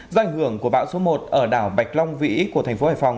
do ảnh hưởng của bão số một ở đảo bạch long vĩ của thành phố hải phòng